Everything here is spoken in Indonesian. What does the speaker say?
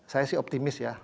saya sih optimis ya